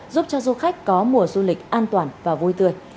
giúp cho du khách có mùa du lịch an toàn và vui tươi